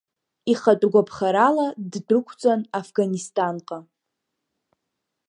Ихатәгәаԥхарала ддәықәҵан Афганистанҟа.